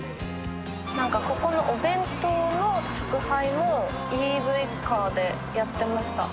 何かここのお弁当の宅配をＥＶカーでやってました。